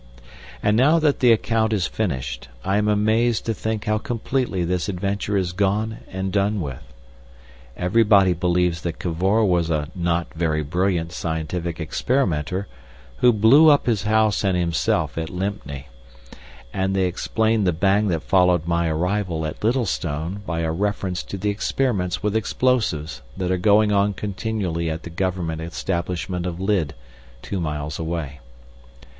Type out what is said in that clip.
And now that the account is finished, I am amazed to think how completely this adventure is gone and done with. Everybody believes that Cavor was a not very brilliant scientific experimenter who blew up his house and himself at Lympne, and they explain the bang that followed my arrival at Littlestone by a reference to the experiments with explosives that are going on continually at the government establishment of Lydd, two miles away.